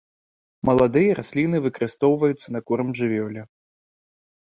Маладыя расліны выкарыстоўваюцца на корм жывёле.